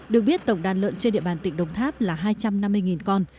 được biết tổng đàn lợn trên địa bàn tỉnh đồng tháp là hai trăm năm mươi con